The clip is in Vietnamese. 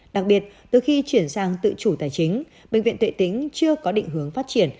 đặc biệt từ khi chuyển sang tự chủ tài chính bệnh viện tuệ tĩnh chưa có định hướng phát triển